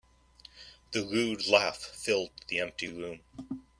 The rude laugh filled the empty room.